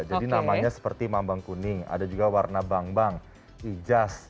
jadi namanya seperti mambang kuning ada juga warna bambang hijas